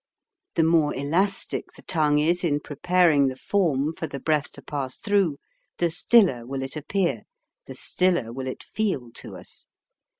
The more elastic the tongue is in preparing the form for the breath to pass through, the stiller will it appear, the stiller will it feel to us.